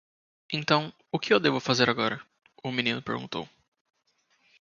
"Então, o que devo fazer agora?" o menino perguntou.